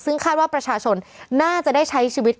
ซึ่งคาดว่าประชาชนน่าจะได้ใช้ชีวิต